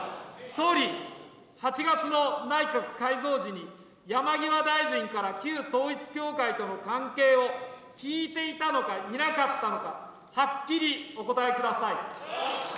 総理、８月の内閣改造時に、山際大臣から旧統一教会との関係を聞いていたのかいなかったのか、はっきりお答えください。